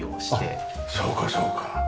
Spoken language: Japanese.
あっそうかそうか。